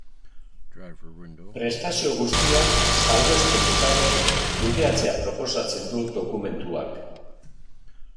Prestazio guztiak, salbuespenik gabe, kudeatzea proposatzen du dokumentuak.